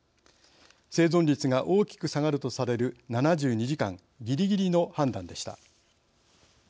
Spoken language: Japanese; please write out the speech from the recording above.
生存率が大きく下がるとされる７２時間、ぎりぎりの判断でした。